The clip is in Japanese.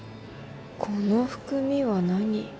この含みは何？